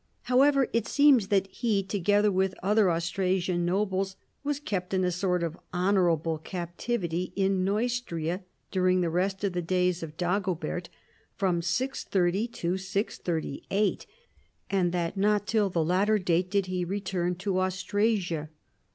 However, it seems that he, together with other Austrasian nobles, was kept in a sort of honorable captivity in Kcustria during the rest of the days of Dagobert (from 630 to 638), and that not till the latter date did he return to Austrasia.